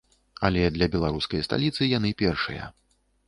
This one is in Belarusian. Але для беларускай сталіцы яны першыя.